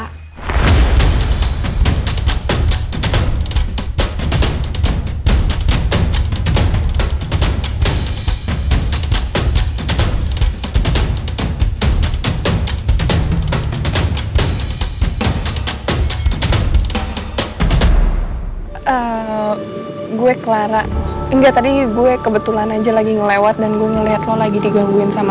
eh gue clara enggak tadi gue kebetulan aja lagi ngelewat dan gue ngelihat lo lagi digangguin sama